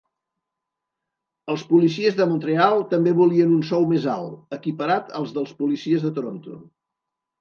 Els policies de Montreal també volien un sou més alt, equiparat als dels policies de Toronto.